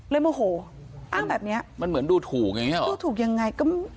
โมโหอ้างแบบนี้มันเหมือนดูถูกอย่างเงี้หรอดูถูกยังไงก็